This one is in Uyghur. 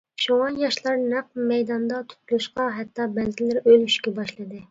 شۇڭا ياشلار نەق مەيداندا تۇتۇلۇشقا ھەتتا بەزىلىرى ئۆلۈشكە باشلىدى.